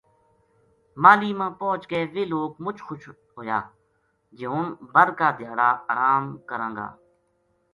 ماہلی ما پوہچ کے یہ لوک مُچ خوش ہویا جے ہن بر کا دھیاڑا ارام کراں گا